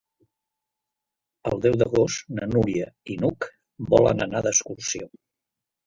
El deu d'agost na Núria i n'Hug volen anar d'excursió.